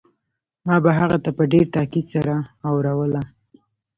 ما به هغه ته په ډېر تاکيد سره اوروله.